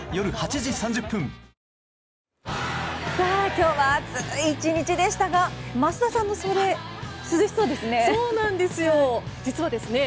今日は暑い１日でしたが桝田さんのそれ涼しそうですね。